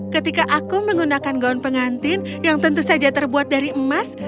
ketika aku menggunakan gaun pengantin yang tentu saja terbuat dari emas